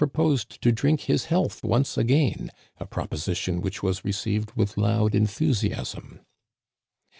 123 posed to drink his health once again — a proposition which was received with loud enthusiasm.